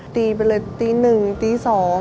ตีไปเลยตี๑ตี๒